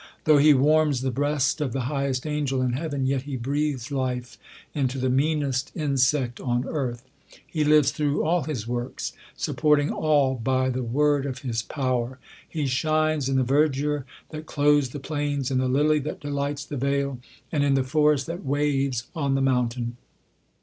I Though he warms the breast of the highest angel ia i heaven, yet he breathes life into the meanest insect on earth. He lives through all his works, supporting all j by the word of his power. He shines in the verdure I that clothes the plains, in the lily that delights the vale, land in the forest that waves on the mountain.